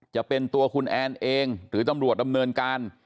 จะเป็นตัวคุณแอนเองหรือตำรวจดำเนินการ